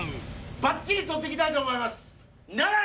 ばっちり撮ってきたいと思います。